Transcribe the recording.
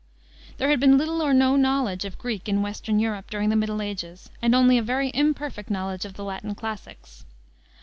There had been little or no knowledge of Greek in western Europe during the Middle Ages, and only a very imperfect knowledge of the Latin classics.